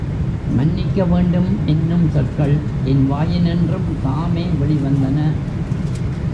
மன்னிக்க வேண்டும் என்னும் சொற்கள் என் வாயினின்றும் தாமே வெளிவந்தன.